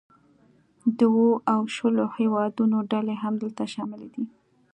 د اوو او شلو هیوادونو ډلې هم دلته شاملې دي